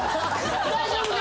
大丈夫か？